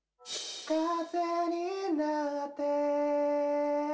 「風になって」